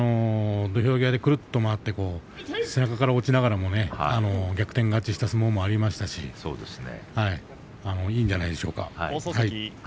土俵際で、くるっと回って背中から落ちながらも逆転勝ちした相撲もありましたしいいんじゃないでしょうか。